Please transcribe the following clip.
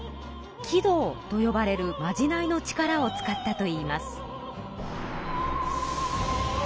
鬼道とよばれるまじないの力を使ったといいます。